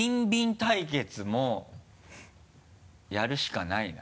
対決もやるしかないな。